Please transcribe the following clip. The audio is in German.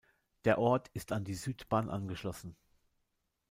Der Ort ist an die Südbahn angeschlossen.